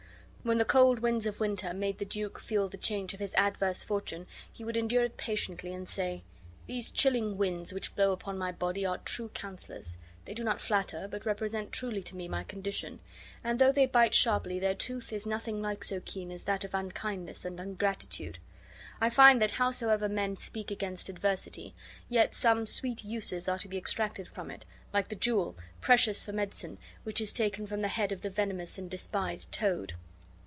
When the cold winds of winter made the duke feel the change of his adverse fortune, he would endure it patiently, and say: "These chilling winds which blow upon my body are true counselors; they do not flatter, but represent truly to me my condition; and though they bite sharply, their tooth is nothing like so keen as that of unkindness and ingratitude. I find that howsoever men speak against adversity, yet some sweet uses are to be extracted from it; like the jewel, precious for medicine, which is taken from the head of the venomous and despised toad."